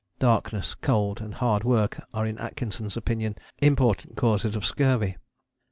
Darkness, cold, and hard work are in Atkinson's opinion important causes of scurvy.